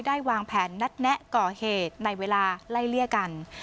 วางแผนนัดแนะก่อเหตุในเวลาไล่เลี่ยกัน